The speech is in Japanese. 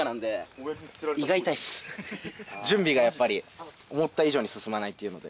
準備がやっぱり思った以上に進まないっていうので。